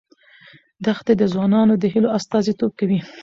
دښتې د ځوانانو د هیلو استازیتوب کوي.